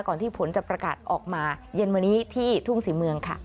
ที่ผลจะประกาศออกมาเย็นวันนี้ที่ทุ่งศรีเมืองค่ะ